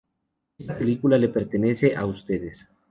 Esta película le pertenece a ustedes.